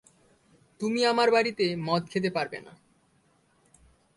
তুমি আমার বাড়িতে মদ খেতে পারবে না।